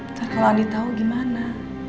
ntar kalau andi tau gimana